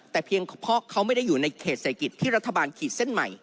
แต่เพียงเพราะเขาไม่ได้อยู่ในเขตเศรษฐกิจที่รัฐบาลขีดเส้นใหม่